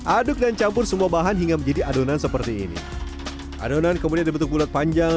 aduk dan campur semua bahan hingga menjadi adonan seperti ini adonan kemudian dibentuk bulat panjang